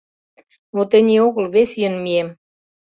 Но тений огыл, вес ийын мием.